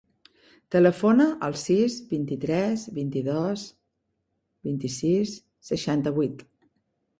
Telefona al sis, vint-i-tres, vint-i-dos, vint-i-sis, seixanta-vuit.